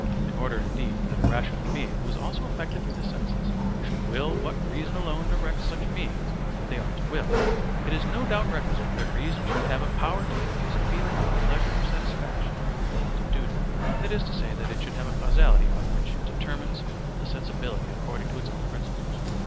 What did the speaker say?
In order indeed that a rational being who is also affected through the senses should will what reason alone directs such beings that they ought to will, it is no doubt requisite that reason should have a power to infuse a feeling of pleasure or satisfaction in the fulfilment of duty, that is to say, that it should have a causality by which it determines the sensibility according to its own principles.